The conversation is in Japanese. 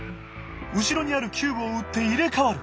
後ろにあるキューブを撃って入れかわる。